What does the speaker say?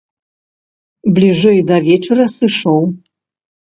Бліжэй да вечара сышоў.